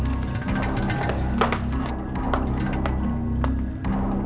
kayaknya ada yang minta tolong nih pak